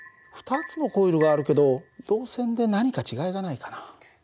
２つのコイルがあるけど導線で何か違いがないかな？